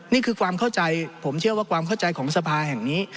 นี่คือความเข้าใจผมเชื่อว่าความเข้าใจของสภาแห่งนี้